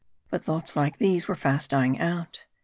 But thoughts like these were fast dying out.